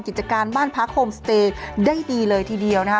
กิจการบ้านพักโฮมสเตย์ได้ดีเลยทีเดียวนะคะ